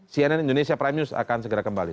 cnn indonesia prime news akan segera kembali